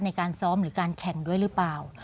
ในการซ้อมหรือการแข่งด้วยหรือเปล่า